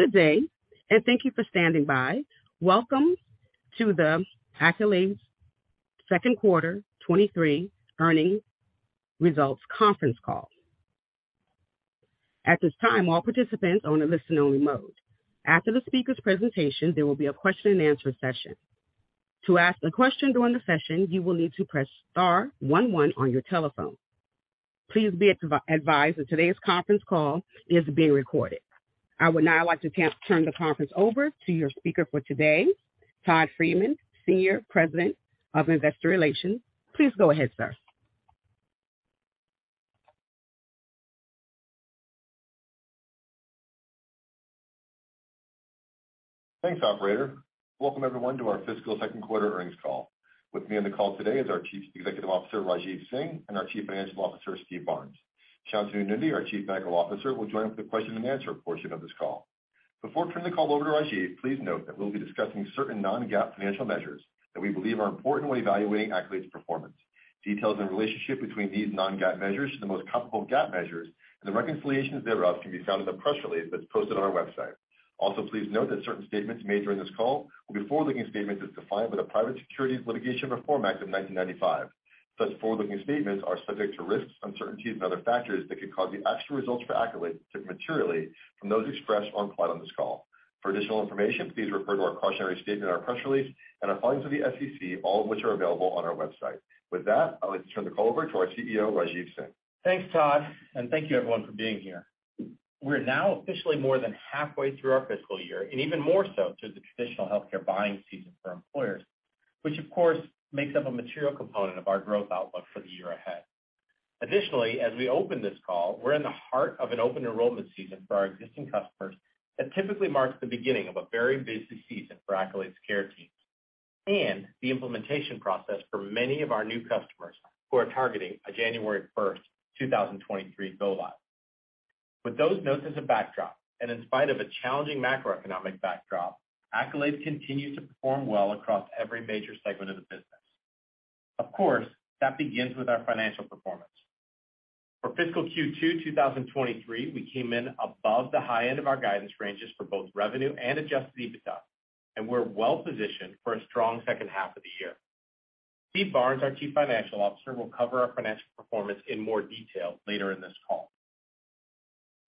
Good day, and thank you for standing by. Welcome to the Accolade second quarter 2023 earnings results conference call. At this time, all participants are on a listen only mode. After the speaker's presentation, there will be a question and answer session. To ask a question during the session, you will need to press star one one on your telephone. Please be advised that today's conference call is being recorded. I would now like to turn the conference over to your speaker for today, Todd Friedman, Senior Vice President of Investor Relations. Please go ahead, sir. Thanks, operator. Welcome everyone to our fiscal second-quarter earnings call. With me on the call today is our Chief Executive Officer, Rajeev Singh, and our Chief Financial Officer, Steve Barnes. Shantanu Nundy, our Chief Medical Officer, will join us for the question and answer portion of this call. Before turning the call over to Rajeev, please note that we'll be discussing certain non-GAAP financial measures that we believe are important when evaluating Accolade's performance. Details and relationship between these non-GAAP measures to the most comparable GAAP measures and the reconciliations thereof can be found in the press release that's posted on our website. Also, please note that certain statements made during this call will be forward-looking statements as defined by the Private Securities Litigation Reform Act of 1995. Such forward-looking statements are subject to risks, uncertainties and other factors that could cause the actual results for Accolade to differ materially from those expressed or implied on this call. For additional information, please refer to our cautionary statement in our press release and our filings with the SEC, all of which are available on our website. With that, I'd like to turn the call over to our CEO, Rajeev Singh. Thanks, Todd, and thank you everyone for being here. We're now officially more than halfway through our fiscal year and even more so through the traditional healthcare buying season for employers, which of course makes up a material component of our growth outlook for the year ahead. Additionally, as we open this call, we're in the heart of an open enrollment season for our existing customers that typically marks the beginning of a very busy season for Accolade's care teams, and the implementation process for many of our new customers who are targeting a January 1st, 2023 go live. With those notes as a backdrop, and in spite of a challenging macroeconomic backdrop, Accolade continues to perform well across every major segment of the business. Of course, that begins with our financial performance. For fiscal Q2 2023, we came in above the high end of our guidance ranges for both revenue and Adjusted EBITDA, and we're well-positioned for a strong second half of the year. Steve Barnes, our Chief Financial Officer, will cover our financial performance in more detail later in this call.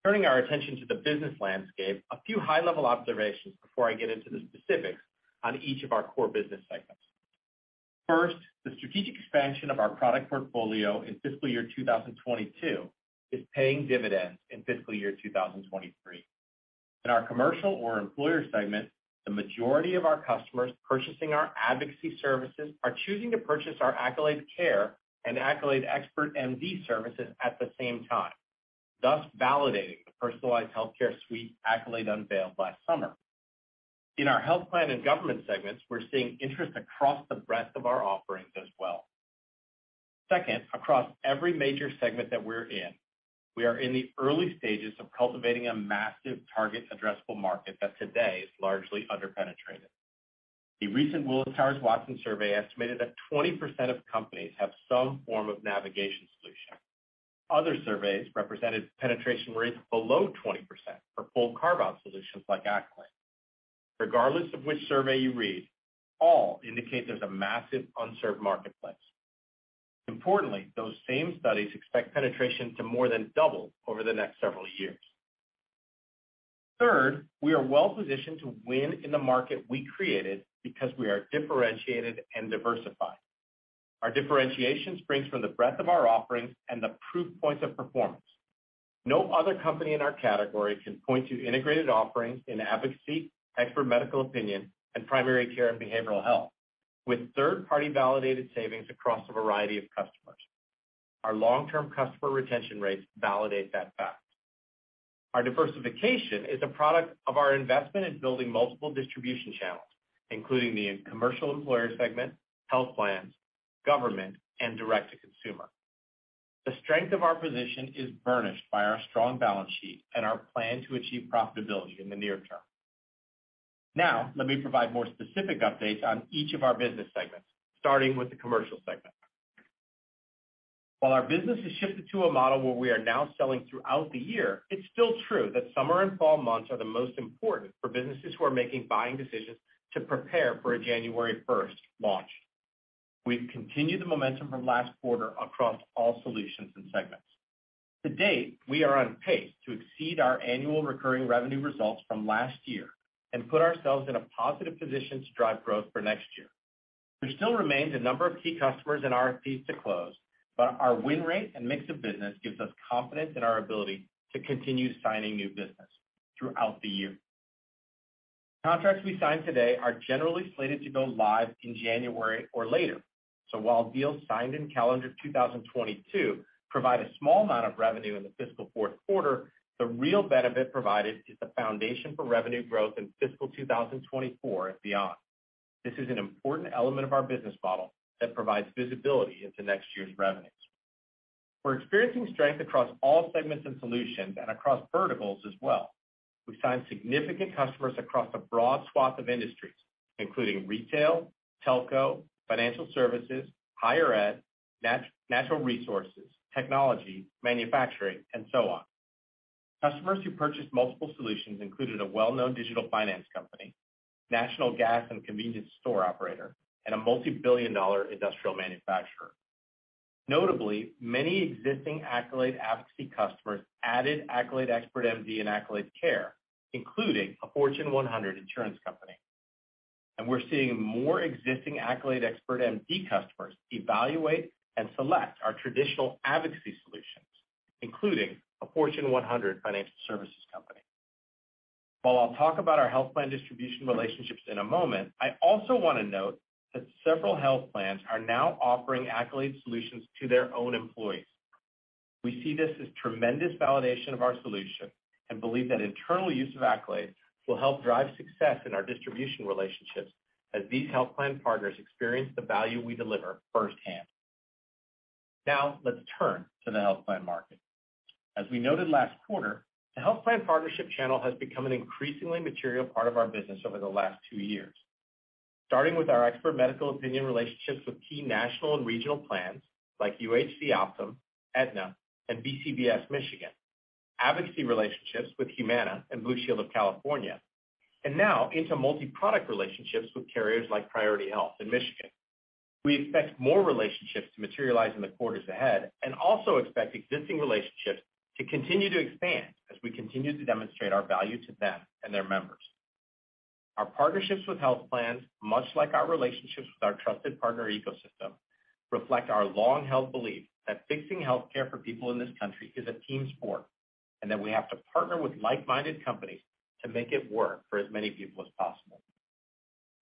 Turning our attention to the business landscape, a few high-level observations before I get into the specifics on each of our core business segments. First, the strategic expansion of our product portfolio in fiscal year 2022 is paying dividends in fiscal year 2023. In our commercial or employer segment, the majority of our customers purchasing our advocacy services are choosing to purchase our Accolade Care and Accolade Expert MD services at the same time, thus validating the personalized healthcare suite Accolade unveiled last summer. In our health plan and government segments, we're seeing interest across the breadth of our offerings as well. Second, across every major segment that we're in, we are in the early stages of cultivating a massive target addressable market that today is largely under-penetrated. The recent Willis Towers Watson survey estimated that 20% of companies have some form of navigation solution. Other surveys represented penetration rates below 20% for full carve-out solutions like Accolade. Regardless of which survey you read, all indicate there's a massive unserved marketplace. Importantly, those same studies expect penetration to more than double over the next several years. Third, we are well-positioned to win in the market we created because we are differentiated and diversified. Our differentiation springs from the breadth of our offerings and the proof points of performance. No other company in our category can point to integrated offerings in advocacy, expert medical opinion, and primary care and behavioral health with third-party validated savings across a variety of customers. Our long-term customer retention rates validate that fact. Our diversification is a product of our investment in building multiple distribution channels, including the commercial employer segment, health plans, government, and direct-to-consumer. The strength of our position is burnished by our strong balance sheet and our plan to achieve profitability in the near term. Now, let me provide more specific updates on each of our business segments, starting with the commercial segment. While our business has shifted to a model where we are now selling throughout the year, it's still true that summer and fall months are the most important for businesses who are making buying decisions to prepare for a January 1st launch. We've continued the momentum from last quarter across all solutions and segments. To date, we are on pace to exceed our annual recurring revenue results from last year and put ourselves in a positive position to drive growth for next year. There still remains a number of key customers and RFPs to close, but our win rate and mix of business gives us confidence in our ability to continue signing new business throughout the year. Contracts we sign today are generally slated to go live in January or later. While deals signed in calendar 2022 provide a small amount of revenue in the fiscal fourth quarter, the real benefit provided is the foundation for revenue growth in fiscal 2024 and beyond. This is an important element of our business model that provides visibility into next year's revenues. We're experiencing strength across all segments and solutions and across verticals as well. We've signed significant customers across a broad swath of industries, including retail, telco, financial services, higher ed, natural resources, technology, manufacturing, and so on. Customers who purchased multiple solutions included a well-known digital finance company, national gas and convenience store operator, and a multi-billion dollar industrial manufacturer. Notably, many existing Accolade advocacy customers added Accolade Expert MD and Accolade Care, including a Fortune 100 insurance company. We're seeing more existing Accolade Expert MD customers evaluate and select our traditional advocacy solutions, including a Fortune 100 financial services company. While I'll talk about our health plan distribution relationships in a moment, I also wanna note that several health plans are now offering Accolade solutions to their own employees. We see this as tremendous validation of our solution and believe that internal use of Accolade will help drive success in our distribution relationships as these health plan partners experience the value we deliver firsthand. Now, let's turn to the health plan market. As we noted last quarter, the health plan partnership channel has become an increasingly material part of our business over the last two years. Starting with our expert medical opinion relationships with key national and regional plans like UHC Optum, Aetna, and BCBS Michigan, advocacy relationships with Humana and Blue Shield of California, and now into multi-product relationships with carriers like Priority Health in Michigan. We expect more relationships to materialize in the quarters ahead and also expect existing relationships to continue to expand as we continue to demonstrate our value to them and their members. Our partnerships with health plans, much like our relationships with our trusted partner ecosystem, reflect our long-held belief that fixing healthcare for people in this country is a team sport, and that we have to partner with like-minded companies to make it work for as many people as possible.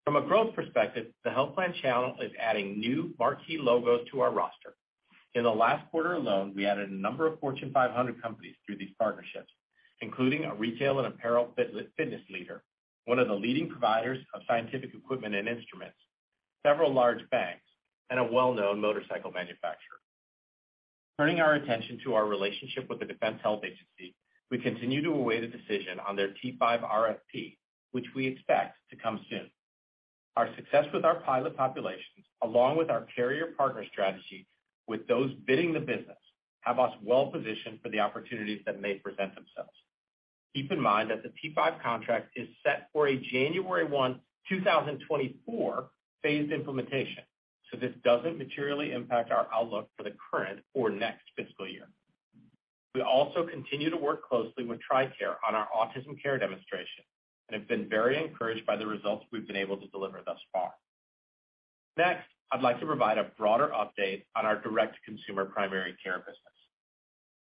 From a growth perspective, the health plan channel is adding new marquee logos to our roster. In the last quarter alone, we added a number of Fortune 500 companies through these partnerships, including a retail and apparel fitness leader, one of the leading providers of scientific equipment and instruments, several large banks, and a well-known motorcycle manufacturer. Turning our attention to our relationship with the Defense Health Agency, we continue to await a decision on their T5 RFP, which we expect to come soon. Our success with our pilot populations, along with our carrier partner strategy with those bidding the business, have us well positioned for the opportunities that may present themselves. Keep in mind that the T5 contract is set for a January 1, 2024 phased implementation, so this doesn't materially impact our outlook for the current or next fiscal year. We also continue to work closely with TRICARE on our autism care demonstration, and have been very encouraged by the results we've been able to deliver thus far. Next, I'd like to provide a broader update on our direct-to-consumer primary care business.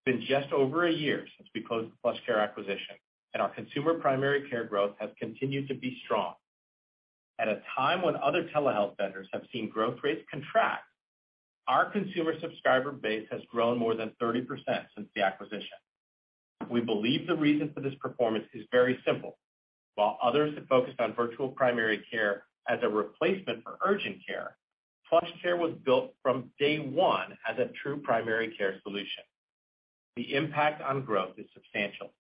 It's been just over a year since we closed the PlushCare acquisition, and our consumer primary care growth has continued to be strong. At a time when other telehealth vendors have seen growth rates contract, our consumer subscriber base has grown more than 30% since the acquisition. We believe the reason for this performance is very simple. While others have focused on virtual primary care as a replacement for urgent care, PlushCare was built from day one as a true primary care solution. The impact on growth is substantial.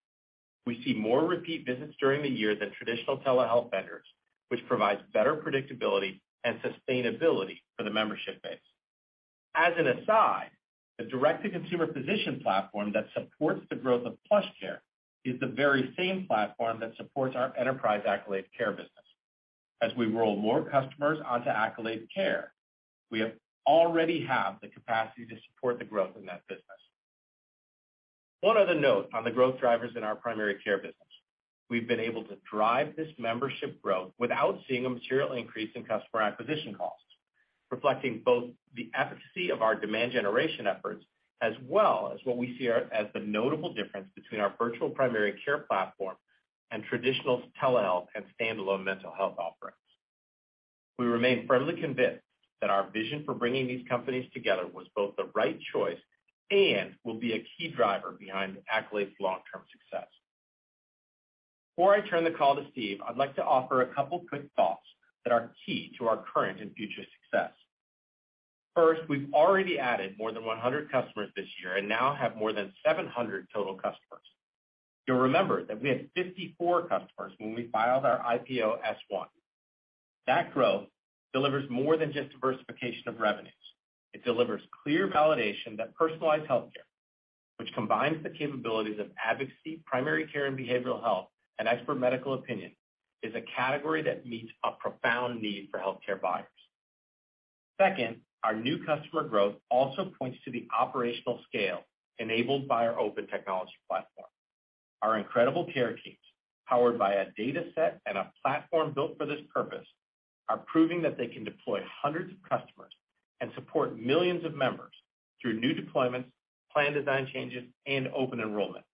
We see more repeat visits during the year than traditional telehealth vendors, which provides better predictability and sustainability for the membership base. As an aside, the direct-to-consumer physician platform that supports the growth of PlushCare is the very same platform that supports our enterprise Accolade Care business. As we roll more customers onto Accolade Care, we already have the capacity to support the growth in that business. One other note on the growth drivers in our primary care business. We've been able to drive this membership growth without seeing a material increase in customer acquisition costs, reflecting both the efficacy of our demand generation efforts as well as what we see as the notable difference between our virtual primary care platform and traditional telehealth and standalone mental health offerings. We remain firmly convinced that our vision for bringing these companies together was both the right choice and will be a key driver behind Accolade's long-term success. Before I turn the call to Steve, I'd like to offer a couple quick thoughts that are key to our current and future success. First, we've already added more than 100 customers this year and now have more than 700 total customers. You'll remember that we had 54 customers when we filed our IPO S-1. That growth delivers more than just diversification of revenues. It delivers clear validation that personalized healthcare, which combines the capabilities of advocacy, primary care and behavioral health, and expert medical opinion, is a category that meets a profound need for healthcare buyers. Second, our new customer growth also points to the operational scale enabled by our open technology platform. Our incredible care teams, powered by a dataset and a platform built for this purpose, are proving that they can deploy hundreds of customers and support millions of members through new deployments, plan design changes, and open enrollment.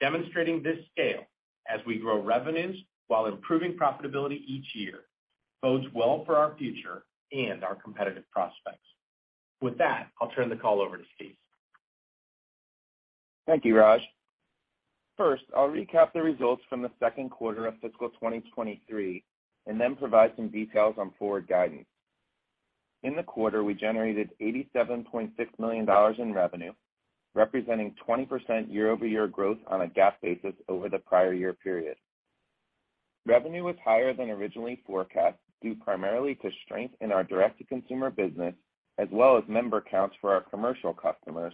Demonstrating this scale as we grow revenues while improving profitability each year bodes well for our future and our competitive prospects. With that, I'll turn the call over to Steve. Thank you, Raj. First, I'll recap the results from the second quarter of fiscal 2023 and then provide some details on forward guidance. In the quarter, we generated $87.6 million in revenue, representing 20% YoY growth on a GAAP basis over the prior year period. Revenue was higher than originally forecast, due primarily to strength in our direct-to-consumer business as well as member counts for our commercial customers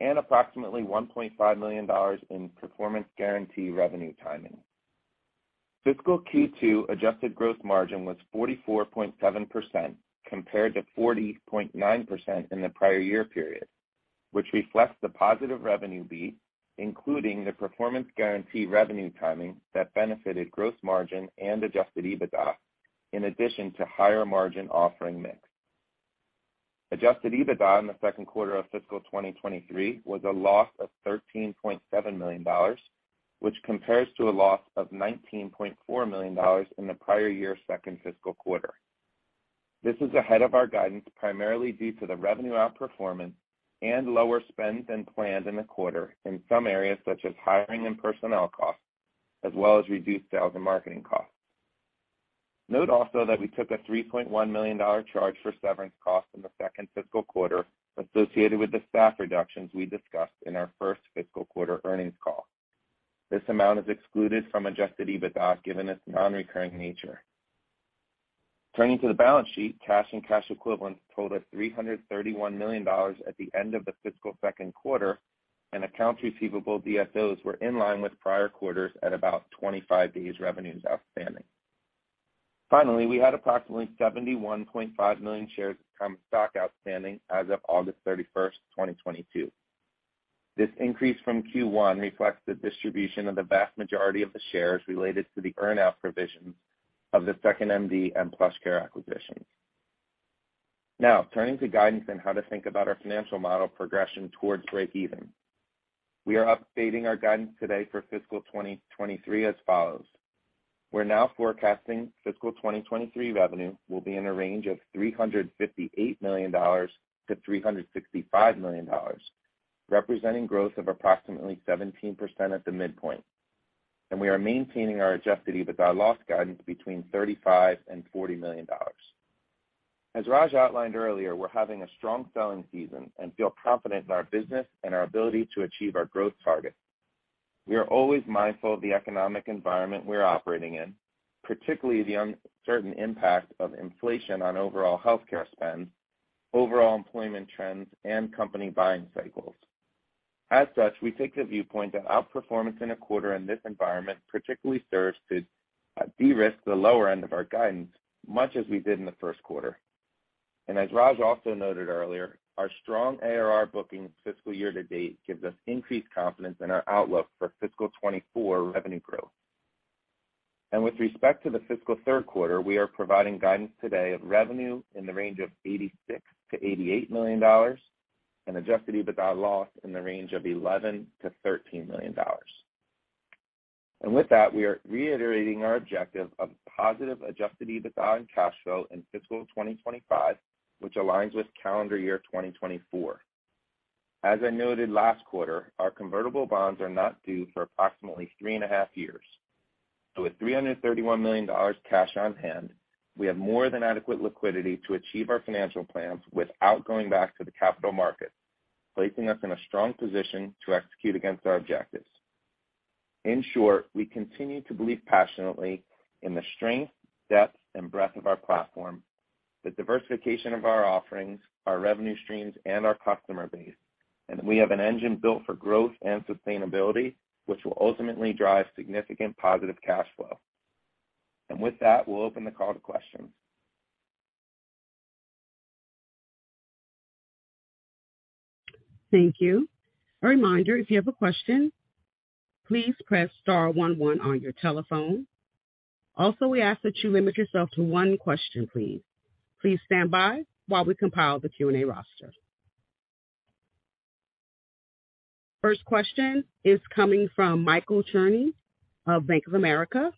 and approximately $1.5 million in performance guarantee revenue timing. Fiscal Q2 adjusted gross margin was 44.7% compared to 40.9% in the prior year period, which reflects the positive revenue beat, including the performance guarantee revenue timing that benefited gross margin and adjusted EBITDA, in addition to higher margin offering mix. Adjusted EBITDA in the second quarter of fiscal 2023 was a loss of $13.7 million, which compares to a loss of $19.4 million in the prior year's second fiscal quarter. This is ahead of our guidance, primarily due to the revenue outperformance and lower spend than planned in the quarter in some areas such as hiring and personnel costs, as well as reduced sales and marketing costs. Note also that we took a $3.1 million charge for severance costs in the second fiscal quarter associated with the staff reductions we discussed in our first fiscal quarter earnings call. This amount is excluded from Adjusted EBITDA, given its non-recurring nature. Turning to the balance sheet, cash and cash equivalents totaled $331 million at the end of the fiscal second quarter, and accounts receivable DSOs were in line with prior quarters at about 25 days sales outstanding. Finally, we had approximately 71.5 million shares of common stock outstanding as of August 31st, 2022. This increase from Q1 reflects the distribution of the vast majority of the shares related to the earn-out provisions of the 2nd.MD and PlushCare acquisitions. Now, turning to guidance and how to think about our financial model progression towards breakeven. We are updating our guidance today for fiscal 2023 as follows. We're now forecasting fiscal 2023 revenue will be in a range of $358 million-$365 million, representing growth of approximately 17% at the midpoint, and we are maintaining our Adjusted EBITDA loss guidance between $35 million and $40 million. Raj outlined earlier, we're having a strong selling season and feel confident in our business and our ability to achieve our growth targets. We are always mindful of the economic environment we're operating in, particularly the uncertain impact of inflation on overall healthcare spend, overall employment trends, and company buying cycles. We take the viewpoint that outperformance in a quarter in this environment particularly serves to de-risk the lower end of our guidance, much as we did in the first quarter. As Raj also noted earlier, our strong ARR bookings fiscal year to date gives us increased confidence in our outlook for fiscal 2024 revenue growth. With respect to the fiscal third quarter, we are providing guidance today of revenue in the range of $86 million-$88 million and adjusted EBITDA loss in the range of $11 million-$13 million. With that, we are reiterating our objective of positive adjusted EBITDA and cash flow in fiscal 2025, which aligns with calendar year 2024. As I noted last quarter, our convertible bonds are not due for approximately three and a half years. With $331 million cash on hand, we have more than adequate liquidity to achieve our financial plans without going back to the capital market, placing us in a strong position to execute against our objectives. In short, we continue to believe passionately in the strength, depth, and breadth of our platform, the diversification of our offerings, our revenue streams, and our customer base, and we have an engine built for growth and sustainability, which will ultimately drive significant positive cash flow. With that, we'll open the call to questions. Thank you. A reminder, if you have a question, please press star one one on your telephone. Also, we ask that you limit yourself to one question, please. Please stand by while we compile the Q&A roster. First question is coming from Michael Cherny of Bank of America.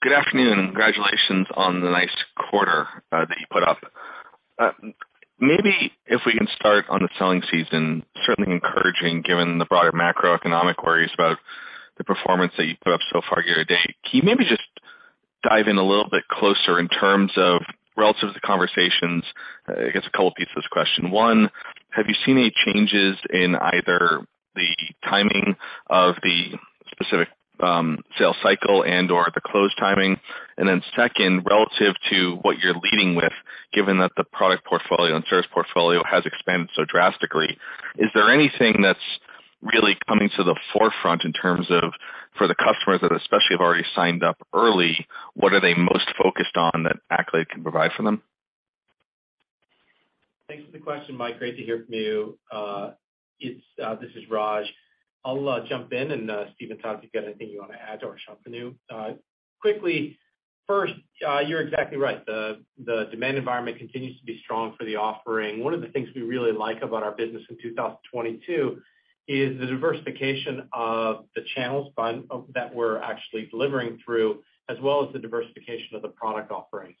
Good afternoon and congratulations on the nice quarter, that you put up. Maybe if we can start on the selling season, certainly encouraging given the broader macroeconomic worries about the performance that you've put up so far year to date. Can you maybe just dive in a little bit closer in terms of relative to conversations? I guess a couple pieces to this question. One, have you seen any changes in either the timing of the specific, sales cycle and/or the close timing? And then second, relative to what you're leading with, given that the product portfolio and service portfolio has expanded so drastically, is there anything that's really coming to the forefront in terms of for the customers that especially have already signed up early, what are they most focused on that Accolade can provide for them? Thanks for the question, Michael. Great to hear from you. This is Rajeev. I'll jump in and Steve, Todd, if you've got anything you want to add to or jump in. Quickly, first, you're exactly right. The demand environment continues to be strong for the offering. One of the things we really like about our business in 2022 is the diversification of the channels by that we're actually delivering through, as well as the diversification of the product offerings.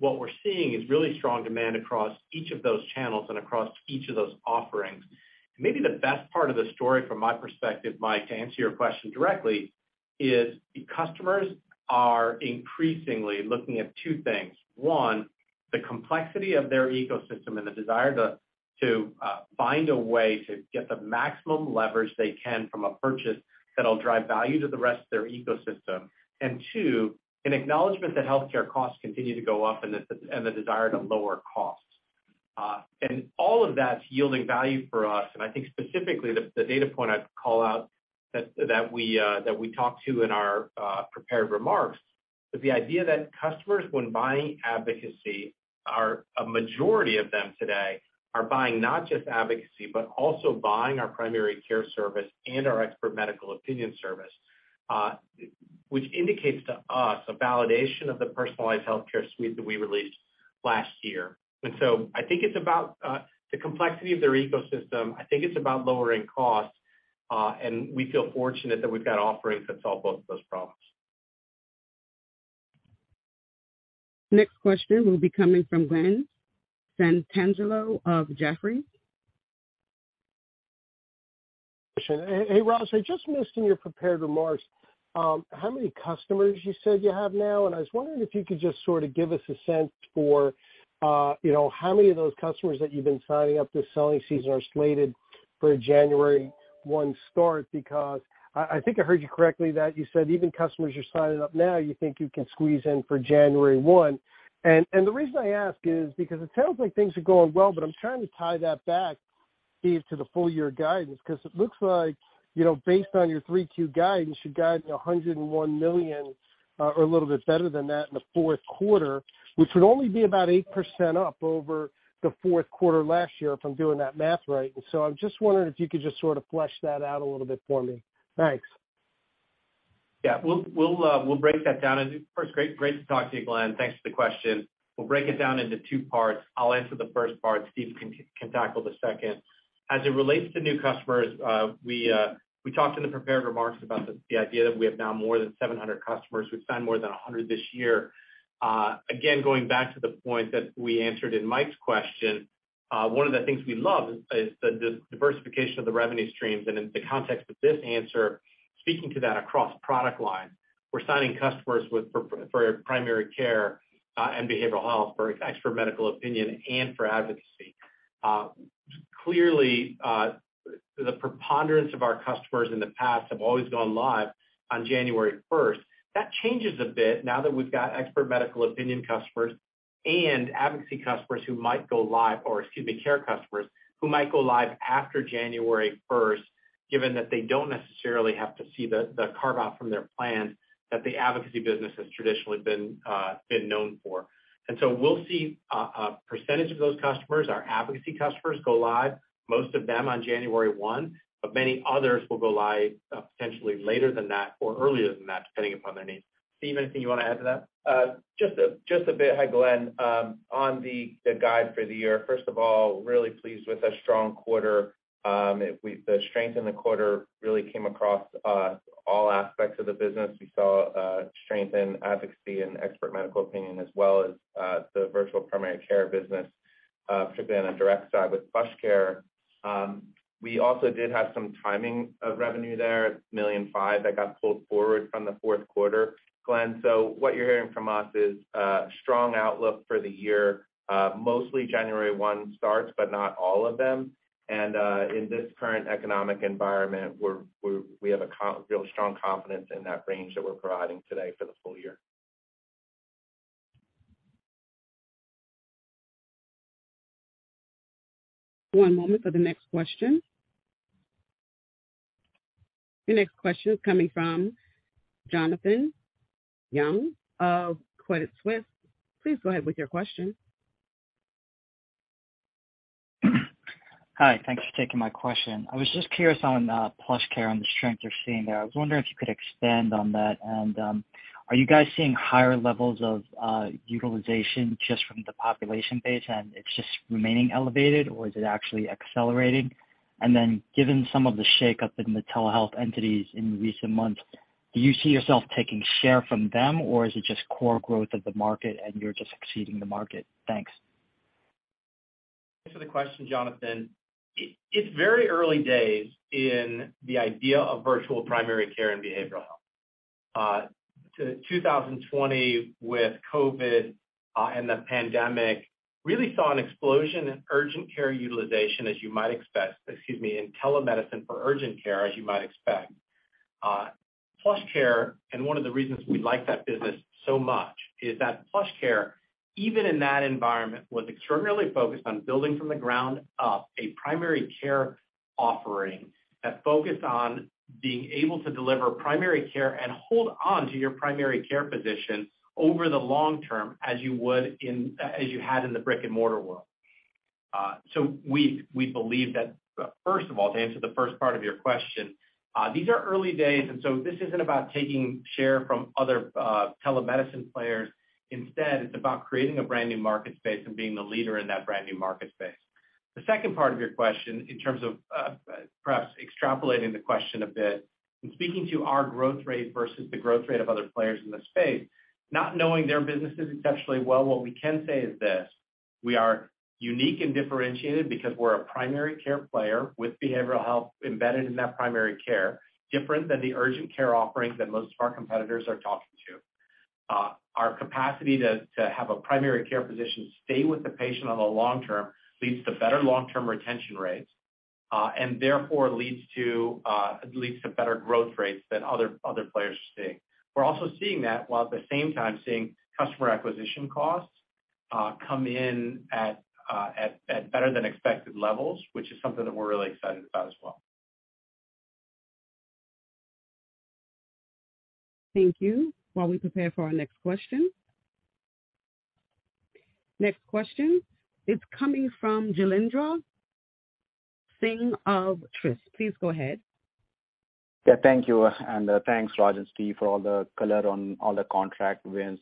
What we're seeing is really strong demand across each of those channels and across each of those offerings. Maybe the best part of the story from my perspective, Mike, to answer your question directly is that the customers are increasingly looking at two things. One, the complexity of their ecosystem and the desire to find a way to get the maximum leverage they can from a purchase that'll drive value to the rest of their ecosystem. Two, an acknowledgment that healthcare costs continue to go up and the desire to lower costs. All of that's yielding value for us, and I think specifically the data point I'd call out that we talk to in our prepared remarks is the idea that customers when buying advocacy, a majority of them today, are buying not just advocacy, but also buying our primary care service and our expert medical opinion service. Which indicates to us a validation of the personalized healthcare suite that we released last year. I think it's about the complexity of their ecosystem. I think it's about lowering costs, and we feel fortunate that we've got offerings that solve both of those problems. Next question will be coming from Glenn Santangelo of Jefferies. Hey, Raj. I just missed in your prepared remarks how many customers you said you have now, and I was wondering if you could just sort of give us a sense for, you know, how many of those customers that you've been signing up this selling season are slated for a January 1 start. Because I think I heard you correctly that you said even customers you're signing up now, you think you can squeeze in for January 1. And the reason I ask is because it sounds like things are going well, but I'm trying to tie that back, Steve, to the full year guidance. Cause it looks like, you know, based on your Q3 guidance, you're guiding $101 million, or a little bit better than that in the fourth quarter, which would only be about 8% up over the fourth quarter last year, if I'm doing that math right. I'm just wondering if you could just sort of flesh that out a little bit for me. Thanks. Yeah. We'll break that down into two parts. First, great to talk to you, Glenn. Thanks for the question. I'll answer the first part, Steve can tackle the second. As it relates to new customers, we talked in the prepared remarks about the idea that we have now more than 700 customers. We've signed more than 100 this year. Again, going back to the point that we answered in Mike's question, one of the things we love is the diversification of the revenue streams, and in the context of this answer, speaking to that across product line, we're signing customers for primary care and behavioral health, for expert medical opinion and for advocacy. Clearly, the preponderance of our customers in the past have always gone live on January 1st. That changes a bit now that we've got expert medical opinion customers and advocacy customers who might go live, or excuse me, care customers who might go live after January 1st, given that they don't necessarily have to see the carve-out from their plans that the advocacy business has traditionally been known for. We'll see a percentage of those customers, our advocacy customers, go live, most of them on January 1, but many others will go live, potentially later than that or earlier than that, depending upon their needs. Steve, anything you wanna add to that? Just a bit. Hi, Glenn. On the guide for the year, first of all, really pleased with a strong quarter. The strength in the quarter really came across all aspects of the business. We saw strength in advocacy and expert medical opinion, as well as the virtual primary care business, particularly on the direct side with PlushCare. We also did have some timing of revenue there, $1.5 million that got pulled forward from the fourth quarter, Glenn. So what you're hearing from us is strong outlook for the year, mostly January 1 starts, but not all of them. In this current economic environment, we have real strong confidence in that range that we're providing today for the full year. One moment for the next question. The next question is coming from Jonathan Yong of Credit Suisse. Please go ahead with your question. Hi. Thanks for taking my question. I was just curious on, PlushCare and the strength you're seeing there. I was wondering if you could expand on that. Are you guys seeing higher levels of, utilization just from the population base and it's just remaining elevated, or is it actually accelerating? Given some of the shakeup in the telehealth entities in recent months, do you see yourself taking share from them, or is it just core growth of the market and you're just exceeding the market? Thanks. Answer the question, Jonathan. It's very early days in the idea of virtual primary care and behavioral health. 2020 with COVID and the pandemic really saw an explosion in urgent care utilization, as you might expect, in telemedicine for urgent care. PlushCare, and one of the reasons we like that business so much is that PlushCare, even in that environment, was extraordinarily focused on building from the ground up a primary care offering that focused on being able to deliver primary care and hold onto your primary care position over the long term as you would in the brick-and-mortar world. We believe that first of all, to answer the first part of your question, these are early days, and so this isn't about taking share from other telemedicine players. Instead, it's about creating a brand-new market space and being the leader in that brand-new market space. The second part of your question, in terms of perhaps extrapolating the question a bit and speaking to our growth rate versus the growth rate of other players in the space, not knowing their businesses exceptionally well, what we can say is this: We are unique and differentiated because we're a primary care player with behavioral health embedded in that primary care, different than the urgent care offerings that most of our competitors are talking to. Our capacity to have a primary care physician stay with the patient on the long term leads to better long-term retention rates, and therefore leads to better growth rates than other players are seeing. We're also seeing that while at the same time seeing customer acquisition costs come in at better than expected levels, which is something that we're really excited about as well. Thank you. While we prepare for our next question. Next question is coming from Jailendra Singh of Truist. Please go ahead. Yeah, thank you. Thanks, Raj and Steve, for all the color on all the contract wins.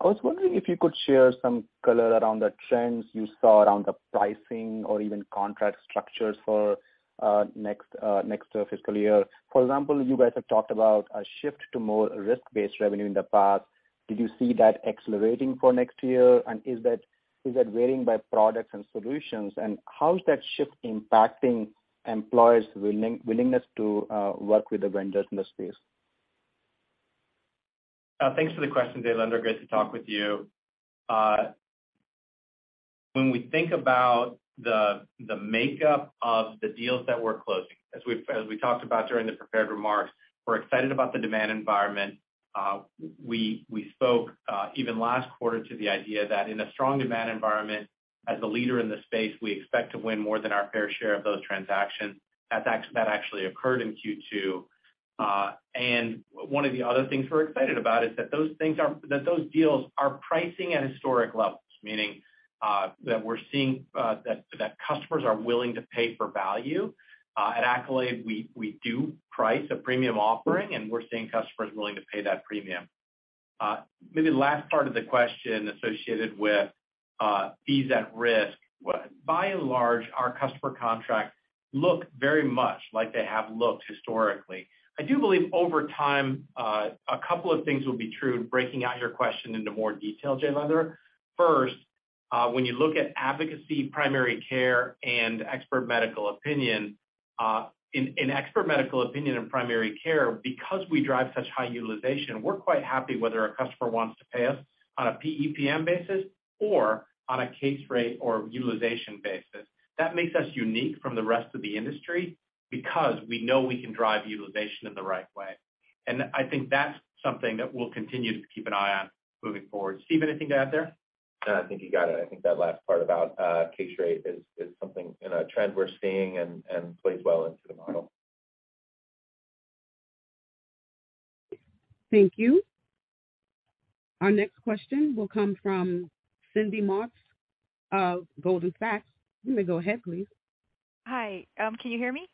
I was wondering if you could share some color around the trends you saw around the pricing or even contract structures for next fiscal year. For example, you guys have talked about a shift to more risk-based revenue in the past. Did you see that accelerating for next year? Is that varying by products and solutions? How is that shift impacting employers' willingness to work with the vendors in the space? Thanks for the question, Jailendra. Great to talk with you. When we think about the makeup of the deals that we're closing, as we talked about during the prepared remarks, we're excited about the demand environment. We spoke even last quarter to the idea that in a strong demand environment, as a leader in the space, we expect to win more than our fair share of those transactions. That's actually occurred in Q2. One of the other things we're excited about is that those deals are pricing at historic levels, meaning that we're seeing that customers are willing to pay for value. At Accolade, we do price a premium offering, and we're seeing customers willing to pay that premium. Maybe last part of the question associated with, fees at risk. By and large, our customer contracts look very much like they have looked historically. I do believe over time, a couple of things will be true in breaking out your question into more detail, Jailendra. First, when you look at advocacy, primary care, and expert medical opinion, in expert medical opinion and primary care, because we drive such high utilization, we're quite happy whether a customer wants to pay us on a PEPM basis or on a case rate or utilization basis. That makes us unique from the rest of the industry because we know we can drive utilization in the right way. I think that's something that we'll continue to keep an eye on moving forward. Steve, anything to add there? No, I think you got it. I think that last part about case rate is something in a trend we're seeing and plays well into the model. Thank you. Our next question will come from Cindy Motz of Goldman Sachs. You may go ahead, please. Hi. Can you hear me?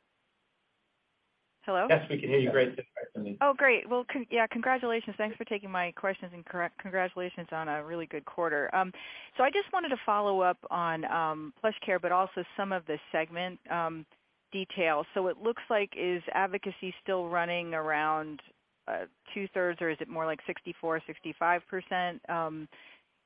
Hello? Yes, we can hear you great, Cindy. Oh, great. Well, yeah, congratulations. Thanks for taking my questions, and congratulations on a really good quarter. I just wanted to follow up on PlushCare, but also some of the segment details. Is advocacy still running around 2/3, or is it more like 64%-65%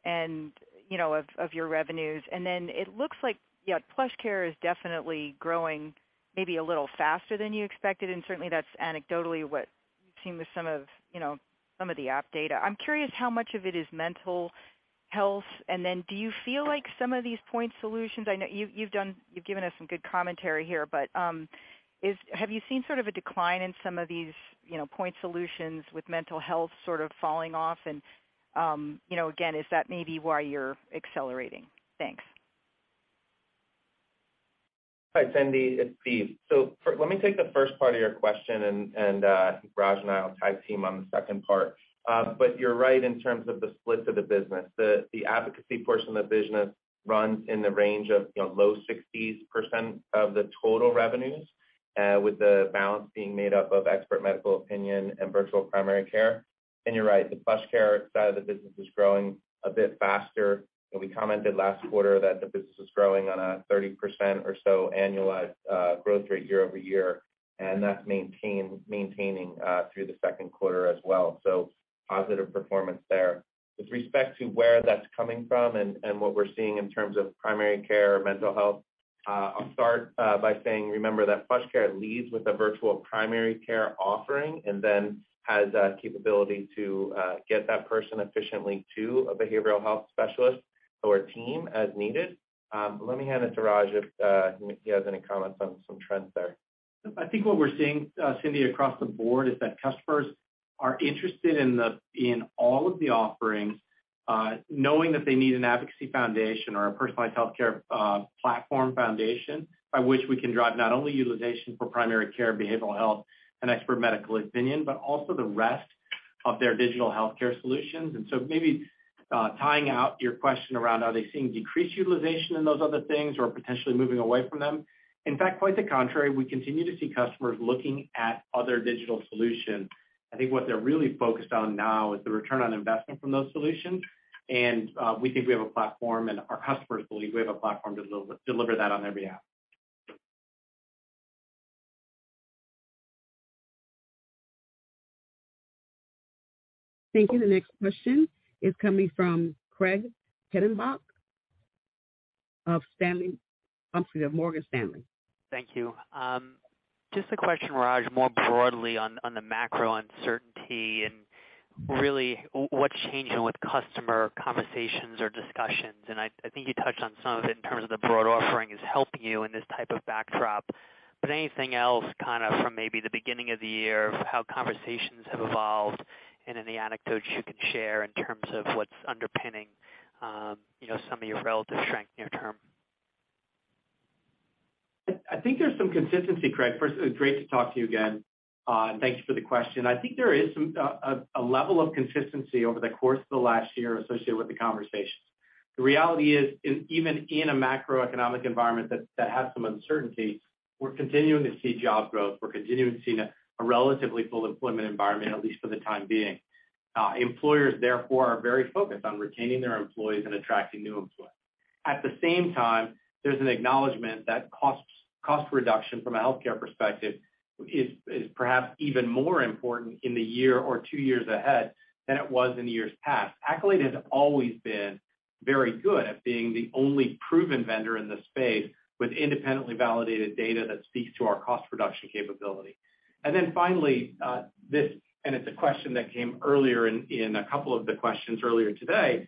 and you know, of your revenues? It looks like, yeah, PlushCare is definitely growing maybe a little faster than you expected. Certainly that's anecdotally what we've seen with some of you know, some of the app data. I'm curious how much of it is mental health. Do you feel like some of these point solutions. I know you've given us some good commentary here, but have you seen sort of a decline in some of these, you know, point solutions with mental health sort of falling off? You know, again, is that maybe why you're accelerating? Thanks. Hi, Cindy. It's Steve. Let me take the first part of your question and Raj and I will tag team on the second part. But you're right in terms of the split of the business. The advocacy portion of the business runs in the range of, you know, low 60s% of the total revenues, with the balance being made up of expert medical opinion and virtual primary care. You're right, the PlushCare side of the business is growing a bit faster. We commented last quarter that the business was growing on a 30% or so annualized growth rate YoY, and that's maintaining through the second quarter as well. Positive performance there. With respect to where that's coming from and what we're seeing in terms of primary care, mental health, I'll start by saying remember that PlushCare leads with a virtual primary care offering and then has the capability to get that person efficiently to a behavioral health specialist or a team as needed. Let me hand it to Raj if he has any comments on some trends there. I think what we're seeing, Cindy, across the board is that customers are interested in the, in all of the offerings, knowing that they need an advocacy foundation or a personalized healthcare, platform foundation by which we can drive not only utilization for primary care, behavioral health, and expert medical opinion, but also the rest of their digital healthcare solutions. Maybe, tying out your question around, are they seeing decreased utilization in those other things or potentially moving away from them? In fact, quite the contrary, we continue to see customers looking at other digital solutions. I think what they're really focused on now is the return on investment from those solutions. We think we have a platform, and our customers believe we have a platform to deliver that on their behalf. Thank you. The next question is coming from Craig Hettenbach of Morgan Stanley. Thank you. Just a question, Raj, more broadly on the macro uncertainty and really what's changing with customer conversations or discussions. I think you touched on some of it in terms of the broad offering is helping you in this type of backdrop. Anything else kinda from maybe the beginning of the year, how conversations have evolved and any anecdotes you can share in terms of what's underpinning, you know, some of your relative strength near term. I think there's some consistency, Craig. First, great to talk to you again, and thanks for the question. I think there is some level of consistency over the course of the last year associated with the conversations. The reality is even in a macroeconomic environment that has some uncertainty, we're continuing to see job growth. We're continuing to see a relatively full employment environment, at least for the time being. Employers, therefore, are very focused on retaining their employees and attracting new employees. At the same time, there's an acknowledgement that costs, cost reduction from a healthcare perspective is perhaps even more important in the year or two years ahead than it was in the years past. Accolade has always been very good at being the only proven vendor in the space with independently validated data that speaks to our cost reduction capability. Finally, this, and it's a question that came earlier in a couple of the questions earlier today,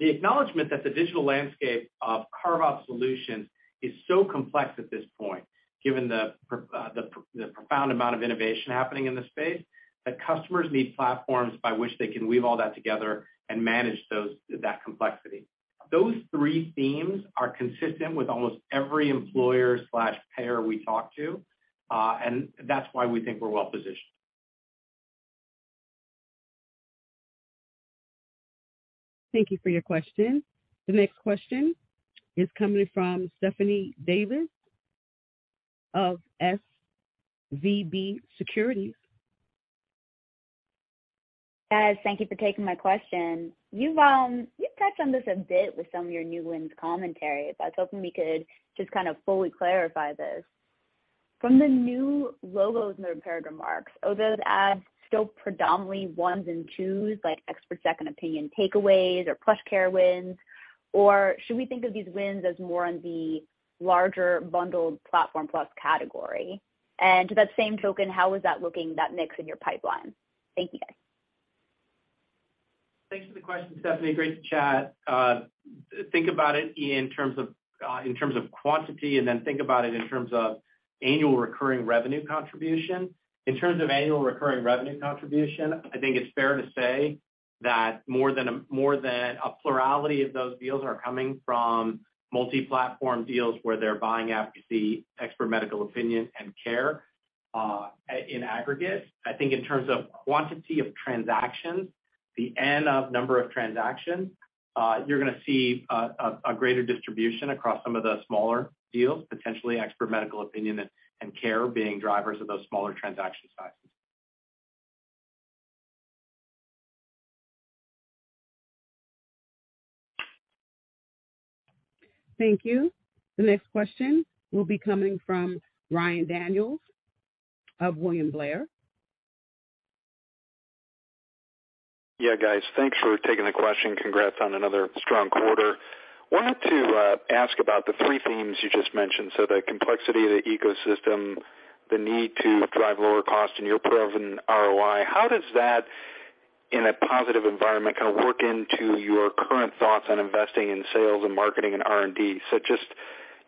the acknowledgement that the digital landscape of carve-out solutions is so complex at this point, given the profound amount of innovation happening in the space, that customers need platforms by which they can weave all that together and manage that complexity. Those three themes are consistent with almost every employer/payer we talk to, and that's why we think we're well-positioned. Thank you for your question. The next question is coming from Stephanie Davis of SVB Securities. Guys, thank you for taking my question. You've touched on this a bit with some of your new wins commentary, but I was hoping we could just kind of fully clarify this. From the new logos in the prepared remarks, are those adds still predominantly ones and twos, like expert second opinion takeaways or PlushCare wins? Or should we think of these wins as more on the larger bundled platform plus category? To that same token, how is that looking, that mix in your pipeline? Thank you, guys. Thanks for the question, Stephanie. Great to chat. Think about it in terms of quantity, and then think about it in terms of annual recurring revenue contribution. In terms of annual recurring revenue contribution, I think it's fair to say that more than a plurality of those deals are coming from multi-platform deals where they're buying advocacy, expert medical opinion and care in aggregate. I think in terms of quantity of transactions, the number of transactions, you're gonna see a greater distribution across some of the smaller deals, potentially expert medical opinion and care being drivers of those smaller transaction sizes. Thank you. The next question will be coming from Ryan Daniels of William Blair. Yeah, guys, thanks for taking the question. Congrats on another strong quarter. Wanted to ask about the three themes you just mentioned, so the complexity of the ecosystem, the need to drive lower cost and your proven ROI. How does that, in a positive environment, kind of work into your current thoughts on investing in sales and marketing and R&D? Just,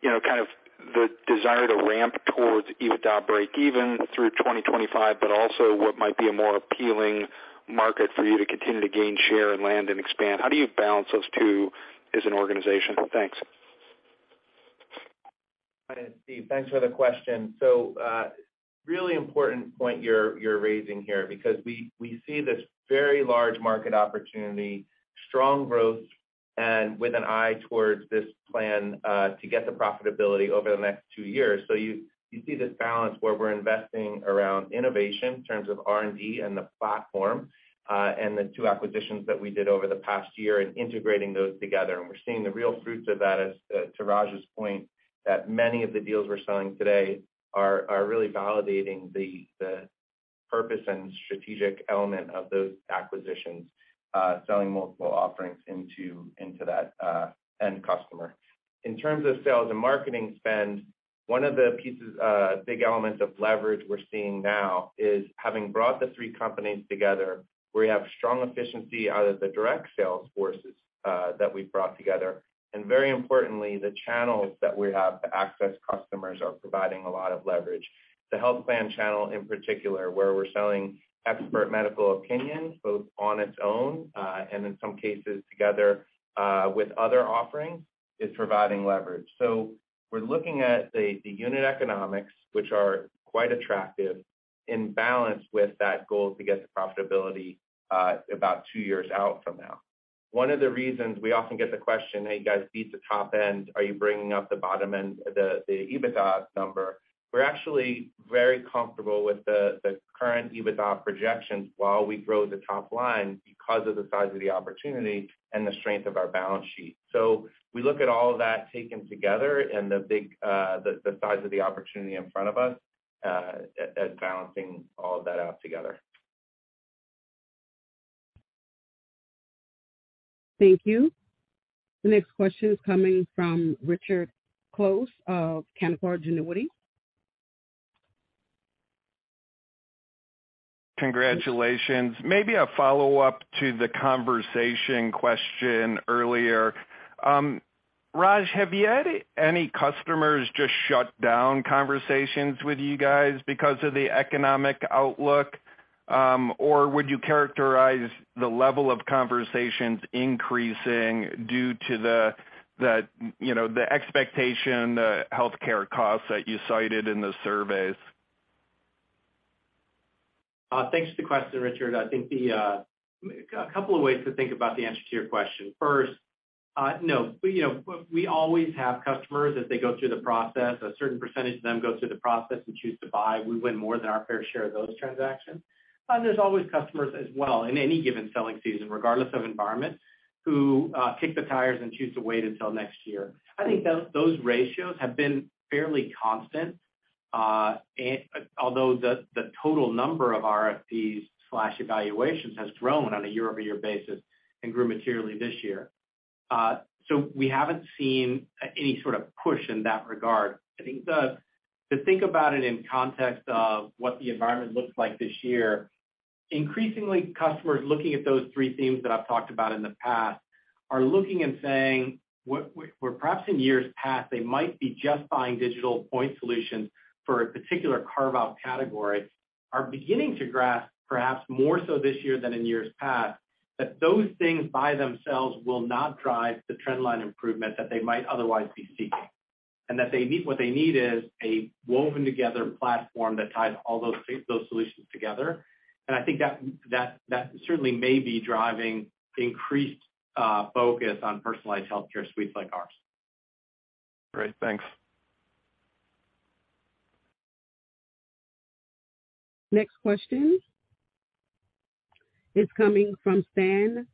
you know, kind of the desire to ramp towards EBITDA breakeven through 2025, but also what might be a more appealing market for you to continue to gain share and land and expand. How do you balance those two as an organization? Thanks. Hi, it's Steve. Thanks for the question. Really important point you're raising here because we see this very large market opportunity, strong growth, and with an eye towards this plan to get to profitability over the next two years. You see this balance where we're investing around innovation in terms of R&D and the platform and the two acquisitions that we did over the past year and integrating those together. We're seeing the real fruits of that, as to Raj's point, that many of the deals we're selling today are really validating the purpose and strategic element of those acquisitions, selling multiple offerings into that end customer. In terms of sales and marketing spend, one of the pieces, big elements of leverage we're seeing now is having brought the three companies together, we have strong efficiency out of the direct sales forces, that we've brought together. Very importantly, the channels that we have to access customers are providing a lot of leverage. The health plan channel in particular, where we're selling expert medical opinions, both on its own, and in some cases together, with other offerings, is providing leverage. We're looking at the unit economics, which are quite attractive, in balance with that goal to get to profitability, about two years out from now. One of the reasons we often get the question, "Hey, you guys beat the top end, are you bringing up the bottom end, the EBITDA number?" We're actually very comfortable with the current EBITDA projections while we grow the top line because of the size of the opportunity and the strength of our balance sheet. We look at all of that taken together and the big, the size of the opportunity in front of us at balancing all of that out together. Thank you. The next question is coming from Richard Close of Canaccord Genuity. Congratulations. Maybe a follow-up to the conversation question earlier. Raj, have you had any customers just shut down conversations with you guys because of the economic outlook? Or would you characterize the level of conversations increasing due to the you know the expectation, the healthcare costs that you cited in the surveys? Thanks for the question, Richard. I think a couple of ways to think about the answer to your question. First, no. You know, we always have customers, as they go through the process, a certain percentage of them go through the process and choose to buy. We win more than our fair share of those transactions. There's always customers as well in any given selling season, regardless of environment, who kick the tires and choose to wait until next year. I think those ratios have been fairly constant. Although the total number of RFPs/evaluations has grown on a YoY basis and grew materially this year. We haven't seen any sort of push in that regard. I think to think about it in context of what the environment looks like this year, increasingly customers looking at those three themes that I've talked about in the past are looking and saying, where perhaps in years past they might be just buying digital point solutions for a particular carve-out category, are beginning to grasp, perhaps more so this year than in years past, that those things by themselves will not drive the trend line improvement that they might otherwise be seeking. That they need what they need is a woven together platform that ties all those solutions together. I think that certainly may be driving increased focus on personalized healthcare suites like ours. Great. Thanks. Next question is coming from Stan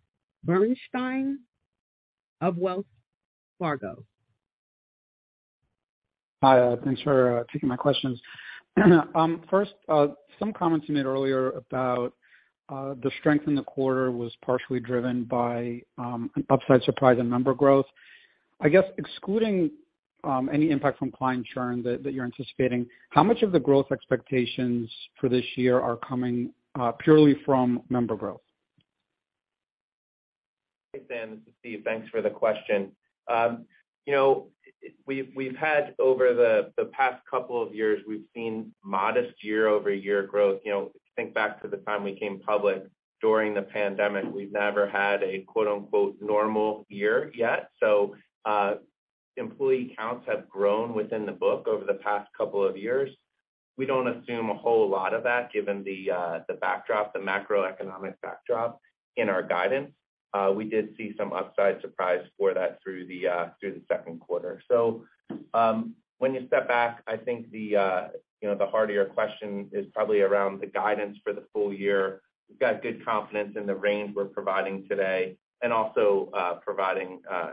Berenshteyn of Wells Fargo. Hi, thanks for taking my questions. First, some comments you made earlier about the strength in the quarter was partially driven by an upside surprise in member growth. I guess excluding any impact from client churn that you're anticipating, how much of the growth expectations for this year are coming purely from member growth? Hey, Stan, this is Steve. Thanks for the question. You know, we've had over the past couple of years, we've seen modest YoY growth. You know, think back to the time we came public during the pandemic, we've never had a quote-unquote normal year yet. Employee counts have grown within the book over the past couple of years. We don't assume a whole lot of that given the backdrop, the macroeconomic backdrop in our guidance. We did see some upside surprise for that through the second quarter. When you step back, I think you know, the heart of your question is probably around the guidance for the full year. We've got good confidence in the range we're providing today, and also providing a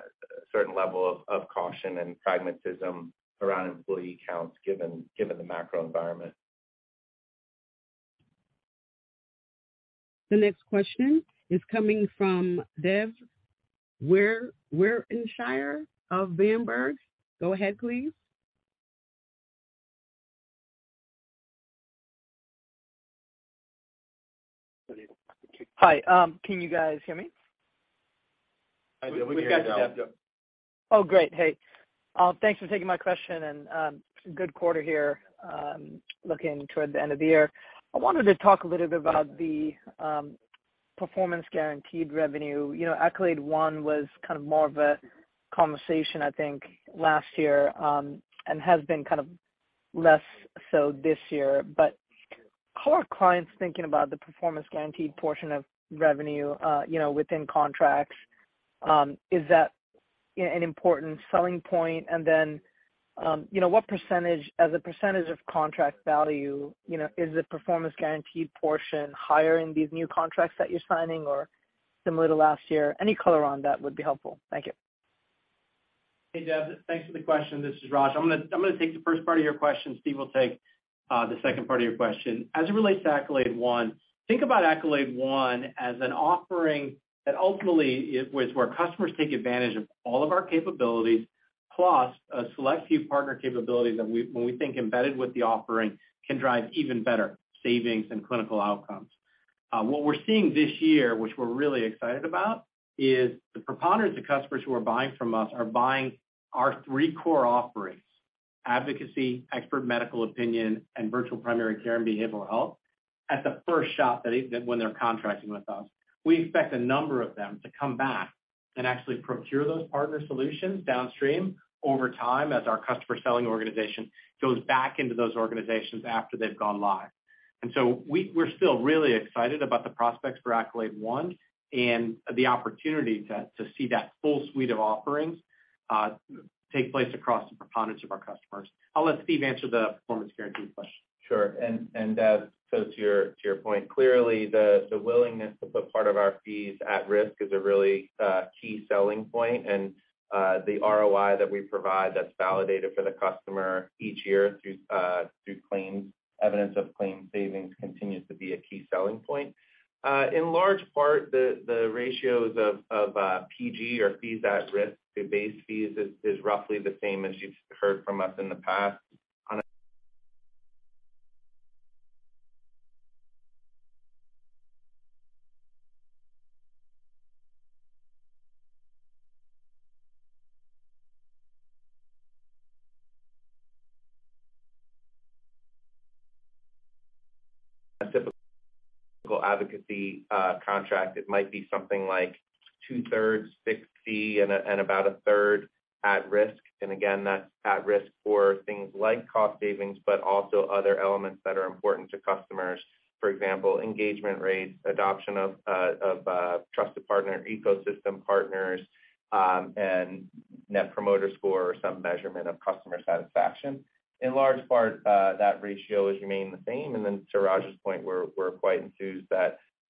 certain level of caution and pragmatism around employee counts given the macro environment. The next question is coming from Dev Weerasuriya of Berenberg. Go ahead, please. Hi, can you guys hear me? We can, yeah. We hear you now. Yep. Oh, great. Hey, thanks for taking my question, and good quarter here, looking toward the end of the year. I wanted to talk a little bit about the performance guaranteed revenue. You know, Accolade One was kind of more of a conversation, I think, last year, and has been kind of less so this year. But how are clients thinking about the performance guaranteed portion of revenue, you know, within contracts? Is that an important selling point? And then, you know, what percentage, as a percentage of contract value, you know, is the performance guaranteed portion higher in these new contracts that you're signing or similar to last year? Any color on that would be helpful. Thank you. Hey, Dev, thanks for the question. This is Raj. I'm gonna take the first part of your question. Steve will take the second part of your question. As it relates to Accolade One, think about Accolade One as an offering that ultimately is where customers take advantage of all of our capabilities, plus a select few partner capabilities that we, when we think embedded with the offering, can drive even better savings and clinical outcomes. What we're seeing this year, which we're really excited about, is the preponderance of customers who are buying from us are buying our three core offerings, advocacy, expert medical opinion, and virtual primary care and behavioral health, at the first shot that when they're contracting with us. We expect a number of them to come back and actually procure those partner solutions downstream over time as our customer selling organization goes back into those organizations after they've gone live. We're still really excited about the prospects for Accolade One. The opportunity to see that full suite of offerings take place across the preponderance of our customers. I'll let Steve answer the performance guarantee question. Sure. To your point, clearly, the willingness to put part of our fees at risk is a really key selling point. The ROI that we provide that's validated for the customer each year through claims evidence of claims savings continues to be a key selling point. In large part, the ratios of PG or fees at risk to base fees is roughly the same as you've heard from us in the past. On a typical advocacy contract, it might be something like fixed fee and about a third at risk. Again, that's at risk for things like cost savings, but also other elements that are important to customers. For example, engagement rates, adoption of trusted partner, ecosystem partners, and Net Promoter Score or some measurement of customer satisfaction. In large part, that ratio has remained the same. To Rajeev's point, we're quite enthused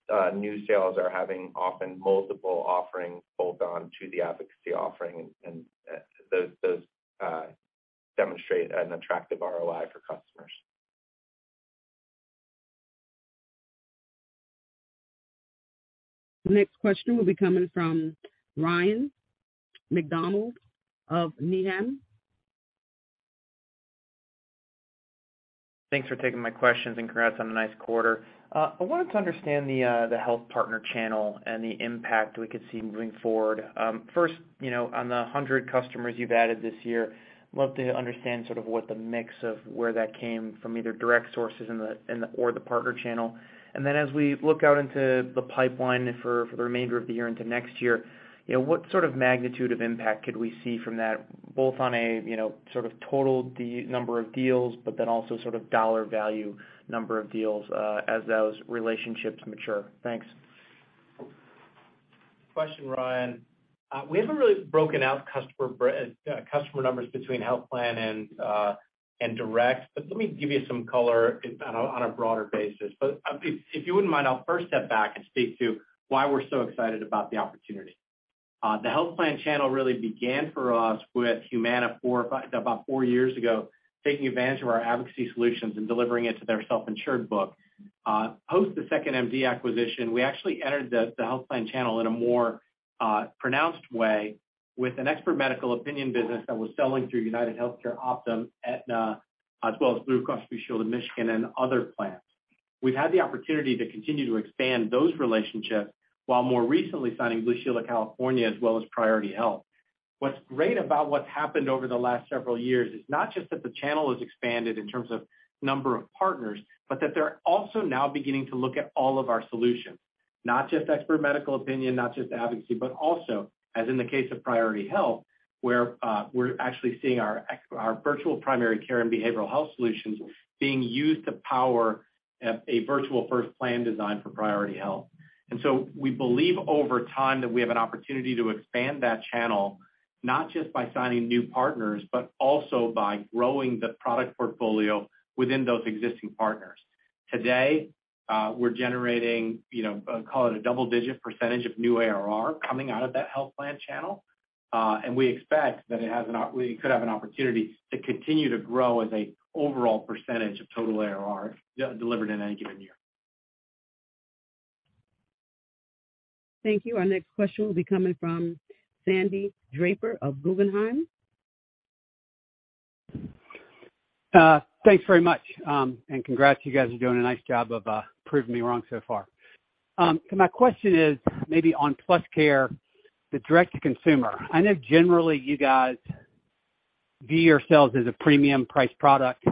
that new sales are having often multiple offerings bolt on to the advocacy offering and those demonstrate an attractive ROI for customers. The next question will be coming from Ryan MacDonald of Needham. Thanks for taking my questions, and congrats on a nice quarter. I wanted to understand the health partner channel and the impact we could see moving forward. First, you know, on the 100 customers you've added this year, love to understand sort of what the mix of where that came from, either direct sources or the partner channel. Then as we look out into the pipeline for the remainder of the year into next year, you know, what sort of magnitude of impact could we see from that, both on a, you know, sort of total number of deals, but then also sort of dollar value number of deals, as those relationships mature? Thanks. Good question, Ryan. We haven't really broken out customer numbers between health plan and direct, but let me give you some color on a broader basis. If you wouldn't mind, I'll first step back and speak to why we're so excited about the opportunity. The health plan channel really began for us with Humana, about four years ago, taking advantage of our advocacy solutions and delivering it to their self-insured book. Post the 2nd.MD acquisition, we actually entered the health plan channel in a more pronounced way with an expert medical opinion business that was selling through UnitedHealthcare, Optum, Aetna, as well as Blue Cross Blue Shield of Michigan and other plans. We've had the opportunity to continue to expand those relationships, while more recently signing Blue Shield of California as well as Priority Health. What's great about what's happened over the last several years is not just that the channel has expanded in terms of number of partners, but that they're also now beginning to look at all of our solutions, not just expert medical opinion, not just advocacy, but also, as in the case of Priority Health, where we're actually seeing our virtual primary care and behavioral health solutions being used to power a virtual first plan design for Priority Health. We believe over time that we have an opportunity to expand that channel, not just by signing new partners, but also by growing the product portfolio within those existing partners. Today, we're generating, you know, call it a double-digit percentage of new ARR coming out of that health plan channel. We expect that we could have an opportunity to continue to grow as an overall percentage of total ARR delivered in any given year. Thank you. Our next question will be coming from Sandy Draper of Guggenheim. Thanks very much. Congrats, you guys are doing a nice job of proving me wrong so far. My question is maybe on PlushCare, the direct to consumer. I know generally you guys view yourselves as a premium price product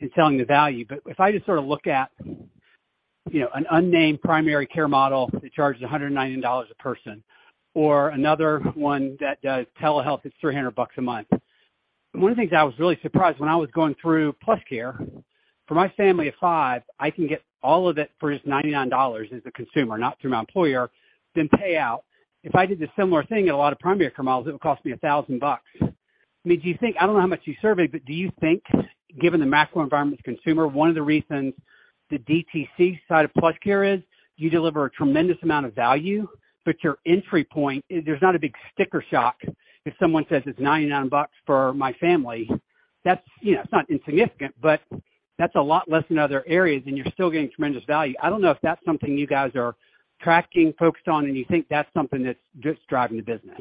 in selling the value. But if I just sort of look at, you know, an unnamed primary care model that charges $199 a person, or another one that does telehealth, it's $300 a month. One of the things I was really surprised when I was going through PlushCare, for my family of five, I can get all of it for just $99 as a consumer, not through my employer, then pay out. If I did the similar thing at a lot of primary care models, it would cost me $1,000. I mean, do you think I don't know how much you survey, but do you think given the macro environment of consumer, one of the reasons the DTC side of PlushCare is you deliver a tremendous amount of value, but your entry point, there's not a big sticker shock. If someone says it's $99 for my family, that's, you know, it's not insignificant, but that's a lot less than other areas, and you're still getting tremendous value. I don't know if that's something you guys are tracking, focused on, and you think that's something that's just driving the business.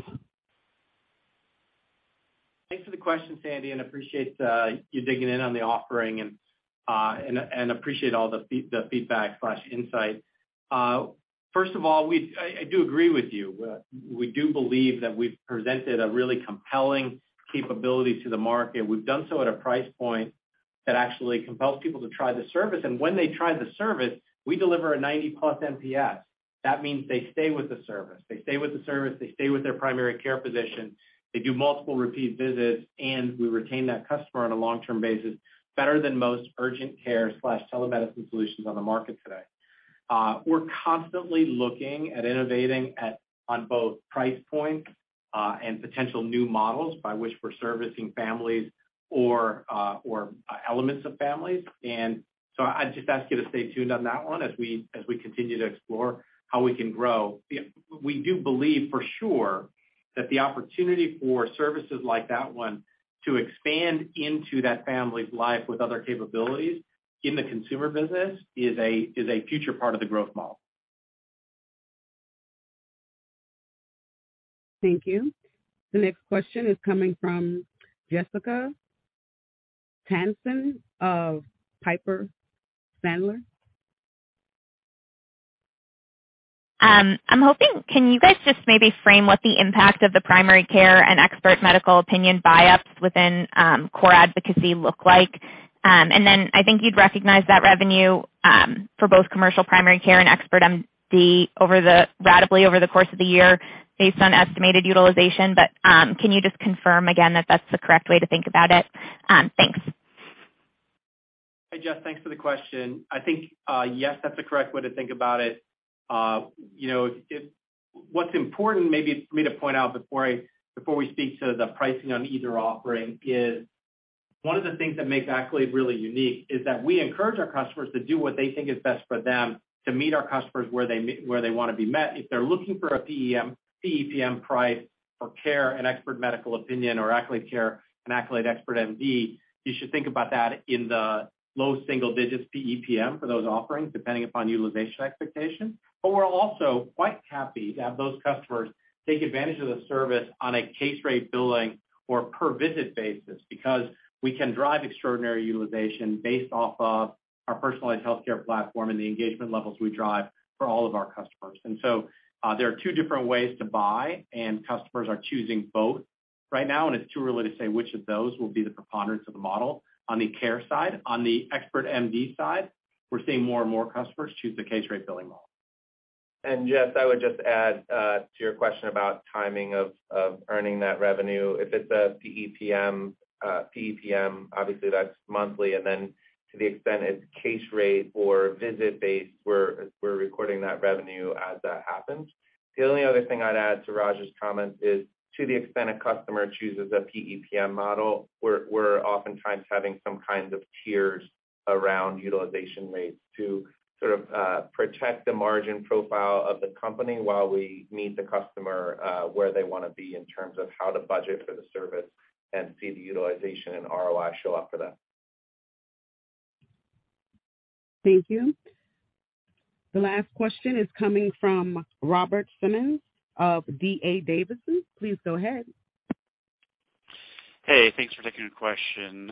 Thanks for the question, Sandy. I appreciate you digging in on the offering and appreciate all the feedback and insight. First of all, I do agree with you. We do believe that we've presented a really compelling capability to the market. We've done so at a price point that actually compels people to try the service. When they try the service, we deliver a 90+ NPS. That means they stay with the service. They stay with the service, they stay with their primary care physician, they do multiple repeat visits, and we retain that customer on a long-term basis better than most urgent care/telemedicine solutions on the market today. We're constantly looking at innovating on both price points and potential new models by which we're servicing families or elements of families. I'd just ask you to stay tuned on that one as we continue to explore how we can grow. We do believe for sure that the opportunity for services like that one to expand into that family's life with other capabilities in the consumer business is a future part of the growth model. Thank you. The next question is coming from Jessica Tassan of Piper Sandler. I'm hoping can you guys just maybe frame what the impact of the primary care and expert medical opinion buyups within core advocacy look like? Then I think you'd recognize that revenue for both commercial primary care and Expert MD ratably over the course of the year based on estimated utilization. Can you just confirm again that that's the correct way to think about it? Thanks. Hey, Jess, thanks for the question. I think, yes, that's the correct way to think about it. You know, what's important maybe for me to point out before we speak to the pricing on either offering is one of the things that makes Accolade really unique is that we encourage our customers to do what they think is best for them, to meet our customers where they wanna be met. If they're looking for a PEPM price for Care and Expert Medical Opinion or Accolade Care and Accolade Expert MD, you should think about that in the low single digits PEPM for those offerings, depending upon utilization expectations. We're also quite happy to have those customers take advantage of the service on a case rate billing or per visit basis, because we can drive extraordinary utilization based off of our personalized healthcare platform and the engagement levels we drive for all of our customers. There are two different ways to buy, and customers are choosing both right now, and it's too early to say which of those will be the preponderance of the model on the care side. On the Expert MD side, we're seeing more and more customers choose the case rate billing model. Jess, I would just add to your question about timing of earning that revenue. If it's a PEPM, obviously that's monthly. To the extent it's case rate or visit-based, we're recording that revenue as that happens. The only other thing I'd add to Rajeev's comment is, to the extent a customer chooses a PEPM model, we're oftentimes having some kind of tiers around utilization rates to sort of protect the margin profile of the company while we meet the customer where they wanna be in terms of how to budget for the service and see the utilization and ROI show up for that. Thank you. The last question is coming from Robert Simmons of D.A. Davidson. Please go ahead. Hey, thanks for taking the question.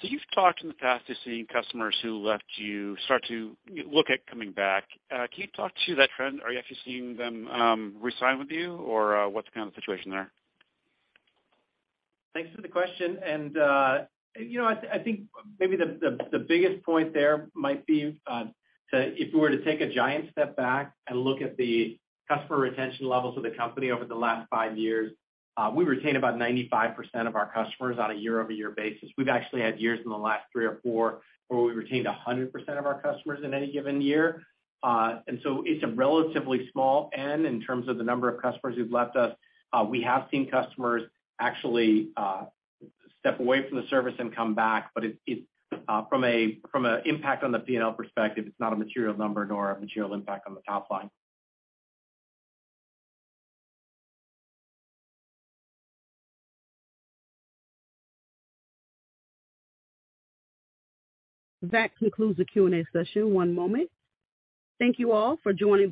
You've talked in the past to seeing customers who left you start to look at coming back. Can you talk to that trend? Are you actually seeing them re-sign with you or what's kind of the situation there? Thanks for the question. You know, I think maybe the biggest point there might be if we were to take a giant step back and look at the customer retention levels of the company over the last five years, we retain about 95% of our customers on a YoY basis. We've actually had years in the last three or four where we retained 100% of our customers in any given year. So it's a relatively small N in terms of the number of customers who've left us. We have seen customers actually step away from the service and come back, but it from an impact on the P&L perspective, it's not a material number nor a material impact on the top line. That concludes the Q&A session. One moment. Thank you all for joining.